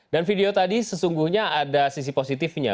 dan video tadi sesungguhnya ada sisi positifnya